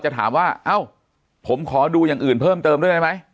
จะถามว่าเอ้าผมขอดูอย่างอื่นเพิ่มเติมด้วยได้ไหม